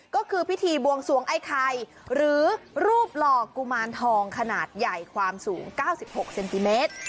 ก็คือพิธีบวงสวงไอ้ไข่หรือรูปหล่อกุมารทองขนาดใหญ่ความสูง๙๖เซนติเมตร